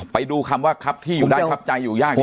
ไปดูคำว่าครับที่อยู่ได้ครับใจอยู่ยาก